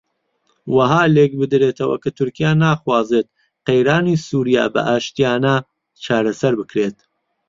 وەها لێک بدرێتەوە کە تورکیا ناخوازێت قەیرانی سووریا بە ئاشتییانە چارەسەر بکرێت